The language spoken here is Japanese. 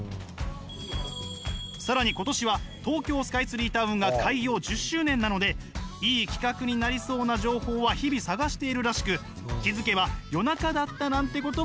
更に今年は東京スカイツリータウンが開業１０周年なのでいい企画になりそうな情報は日々探しているらしく気付けば夜中だったなんてこともあるんです。